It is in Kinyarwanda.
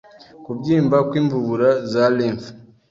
Kubyimba kw’imvubura za lymph